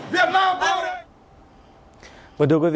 việt nam thắng ba